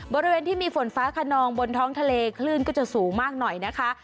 บริเวณที่มีฝนฟ้าขนองบนท้องทะเลคลื่นก็จะสูงมากหน่อยนะคะ